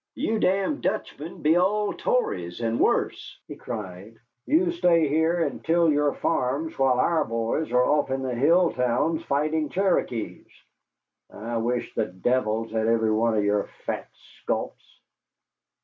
"You damned Dutchmen be all Tories, and worse," he cried; "you stay here and till your farms while our boys are off in the hill towns fighting Cherokees. I wish the devils had every one of your fat sculps.